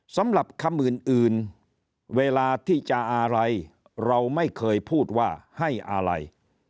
สำหรับคำอื่นเวลาที่จะอะไรเราไม่เคยพูดว่าให้อะไร